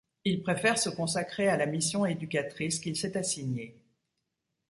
Il préfère se consacrer à la mission éducatrice qu'il s'est assignée.